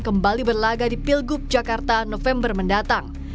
kembali berlaga di pilgub jakarta november mendatang